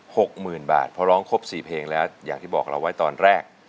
หกหมื่นบาทพอร้องครบสี่เพลงแล้วอย่างที่บอกเราไว้ตอนแรก